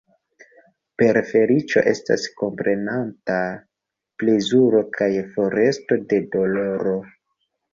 Per feliĉo estas komprenata plezuro kaj foresto de doloro.